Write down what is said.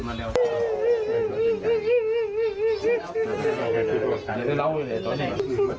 นางศรีพรายดาเสียยุ๕๑ปี